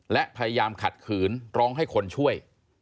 และพยายามขัดขืนร้องให้คนช่วย